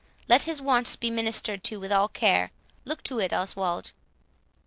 Let his wants be ministered to with all care—look to it, Oswald."